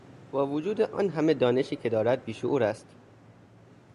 با وجود آن همه دانشی که دارد بیشعور است.